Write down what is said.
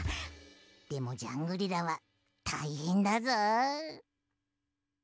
でもジャングリラはたいへんだぞ。